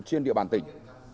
trên địa bàn tỉnh